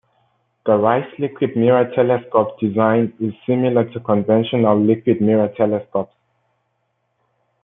The Rice liquid mirror telescope design is similar to conventional liquid mirror telescopes.